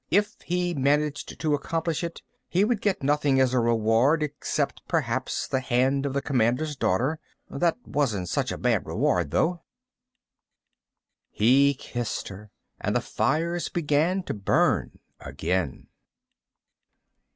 If he managed to accomplish it, he would get nothing as a reward, except perhaps the hand of the Commander's daughter. That wasn't such a bad reward, though. He kissed her and the fires began to burn again.